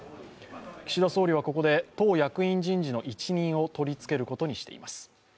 岸田総理はここで党役員人事の一任を取り付けることにしています。